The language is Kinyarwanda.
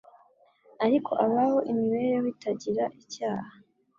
Ariko abaho imibereho itagira icyaha.